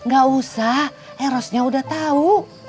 gak usah erosnya udah tahu